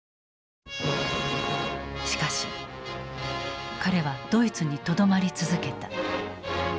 しかし彼はドイツにとどまり続けた。